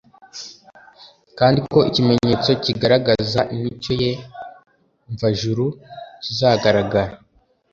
kandi ko ikimenyetso kigaragaza imico ye mvajuru kizagaragara